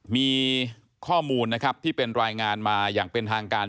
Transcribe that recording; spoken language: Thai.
มีข้อมูลนะครับที่เป็นรายงานมาอย่างเป็นทางการ